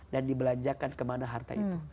dan dibelanjakkan ke mana harta itu